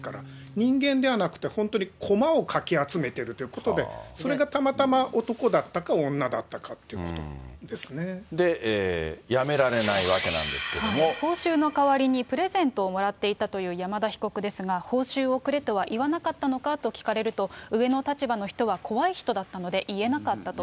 人間ではなくて、本当にこまをかき集めてるということで、それがたまたま男だったで、やめられないわけなんで報酬の代わりにプレゼントをもらっていたという山田被告ですが、報酬をくれとは言わなかったのかと聞かれると、上の立場の人は怖い人だったので言えなかったと。